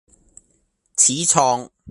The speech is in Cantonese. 始創